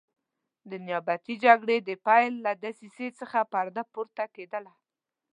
د نیابتي جګړې د پیل له دسیسې څخه پرده پورته کېدله.